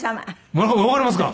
村上わかりますか？